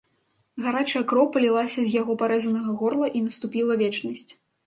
Гарачая кроў палілася з яго парэзанага горла, і наступіла вечнасць.